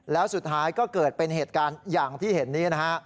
แล้วสุดท้ายก็เกิดเป็นเหตุการณ์อย่างที่เห็นนี้นะฮะ